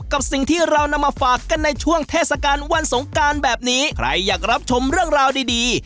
กับสิ่งที่เรานำมาฝากกันในช่วงเทศกาลวันสงการแบบนี้ใครอยากรับชมเรื่องราวดีดี